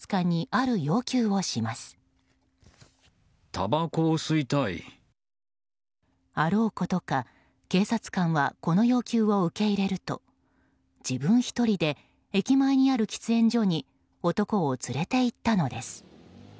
あろうことか、警察官はこの要求を受け入れると自分１人で、駅前にある喫煙所に男を連れて行ったのです。